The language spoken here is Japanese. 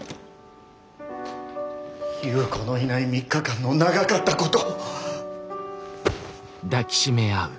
夕子のいない３日間の長かったこと。